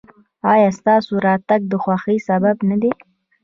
ایا ستاسو راتګ د خوښۍ سبب نه دی؟